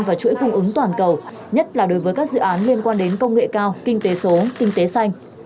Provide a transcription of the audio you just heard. và chuỗi cung ứng toàn cầu nhất là đối với các dự án liên quan đến công nghệ cao kinh tế số kinh tế xanh